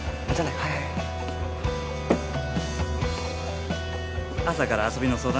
はいはい朝から遊びの相談？